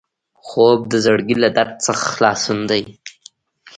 خوب د زړګي له درد څخه خلاصون دی